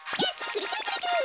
くるくるくるくる。